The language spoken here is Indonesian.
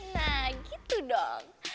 nah gitu dong